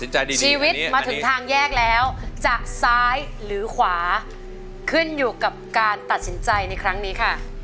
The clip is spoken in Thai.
ชีวิตมาถึงทางแยกแล้วจะซ้ายหรือขวาขึ้นอยู่กับการตัดสินใจในครั้งนี้ค่ะ